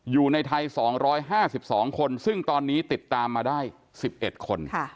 อยู่ในไทย๒๕๒คนซึ่งตอนนี้ติดตามมาได้๑๑คน